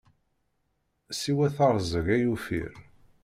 Siwa teṛẓeg ay ufiɣ.